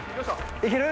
いける？